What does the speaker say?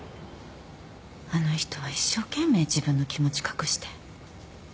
あの人は一生懸命自分の気持ち隠して。